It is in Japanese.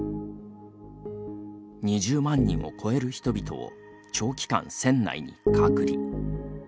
２０万人を超える人々を長期間、船内に隔離。